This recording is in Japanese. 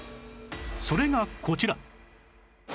それがこちら